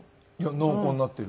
濃厚になってる。